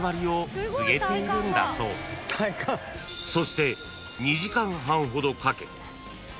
［そして２時間半ほどかけ］